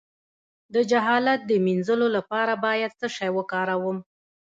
د جهالت د مینځلو لپاره باید څه شی وکاروم؟